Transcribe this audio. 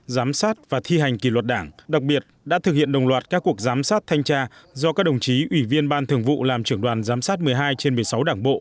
giám sát và thi hành kỷ luật đảng đặc biệt đã thực hiện đồng loạt các cuộc giám sát thanh tra do các đồng chí ủy viên ban thường vụ làm trưởng đoàn giám sát một mươi hai trên một mươi sáu đảng bộ